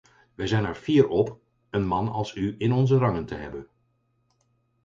Wij zijn er fier op een man als u in onze rangen te hebben.